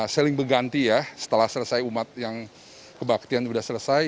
seling berganti setelah selesai umat yang kebaktian sudah selesai